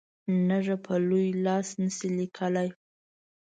نږه په لوی لاس نه سي لیکلای.